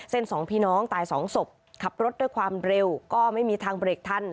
สองพี่น้องตายสองศพขับรถด้วยความเร็วก็ไม่มีทางเบรกทัน